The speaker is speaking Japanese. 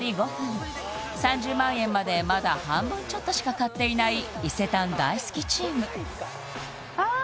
３０万円までまだ半分ちょっとしか買っていない伊勢丹大好きチームああ